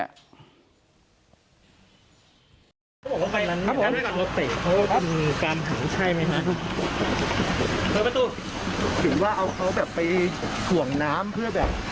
ครับผมครับผมครับผมครับผมคือว่าเอาเขาแบบไปส่วงน้ำเพื่อแบบ